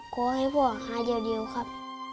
โครงให้พ่อหาเดียวครับ